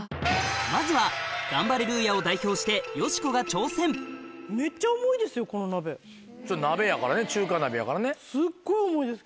まずはガンバレルーヤを代表して鍋やからね中華鍋やからね。